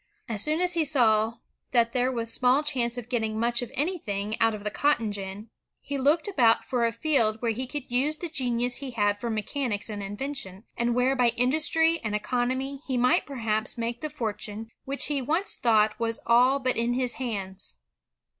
As soon as he saw that there * was small chance of getting much of anything out of the cotton gin, he looked about for a field where he could use the genius he had for mechanics and invention, and where by industry and economy he might perhaps make the fortune which he once thought was all but in his hands.